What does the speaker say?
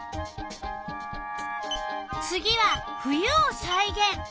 次は冬をさいげん。